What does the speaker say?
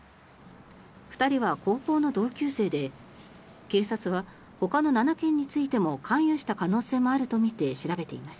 ２人は高校の同級生で警察はほかの７件についても関与した可能性もあるとみて調べています。